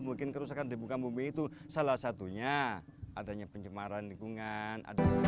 mungkin kerusakan di muka bumi itu salah satunya adanya pencemaran lingkungan